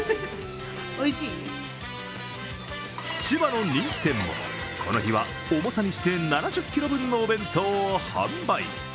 千葉の人気店もこの日は重さにして７０ｋｇ分のお弁当を販売。